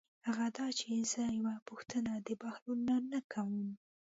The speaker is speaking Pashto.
هغه دا چې زه یوه پوښتنه د بهلول نه کوم.